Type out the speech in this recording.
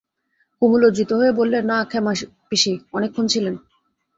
কুমু লজ্জিত হয়ে বললে, না, ক্ষেমাপিসি অনেকক্ষণ ছিলেন।